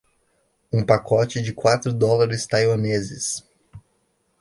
Um pacote de quatro dólares taiwaneses